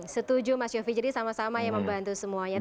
setuju mas yofi jadi sama sama ya membantu semuanya